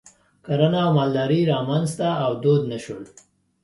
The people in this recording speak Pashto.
کرنه او مالداري رامنځته او دود نه شول.